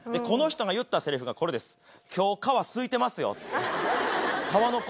この人が言ったセリフこれです。